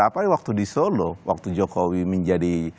pada waktu jokowi menjadi